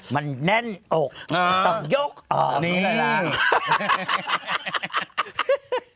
มันแน่นอกต้องยกออกนี่แหละ